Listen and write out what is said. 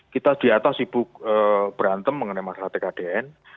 kita di atas sibuk berantem mengenai masalah tkdn